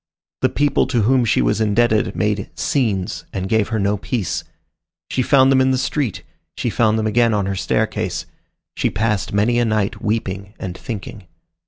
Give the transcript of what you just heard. The people to whom she was indebted made "scenes" and gave her no peace. She found them in the street, she found them again on her staircase. She passed many a night weeping and thinking.